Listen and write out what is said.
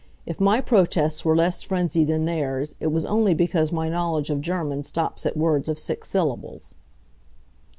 If my protests were less frenzied than theirs, it was only because my knowledge of German stops at words of six syllables.